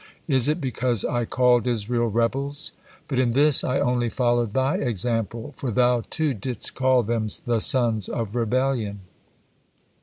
Is it because I called Israel, 'rebels?' But in this I only followed Thy example, for Thou too didst call them, 'the sons of rebellion.'